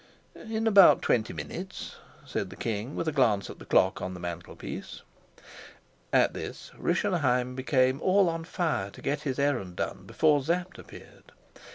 "In about twenty minutes," said the king, with a glance at the clock on the mantelpiece. At this Rischenheim became all on fire to get his errand done before Sapt appeared.